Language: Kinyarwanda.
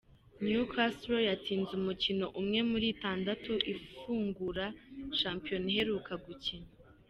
Newcastle yatsinze umukino umwe muri itandatu ifungura shampiyona iheruka gukina.